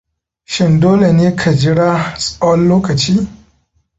Shin dole ne ka jira tsawon lokaci?